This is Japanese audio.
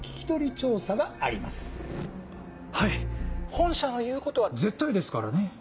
本社の言うことは絶対ですからね。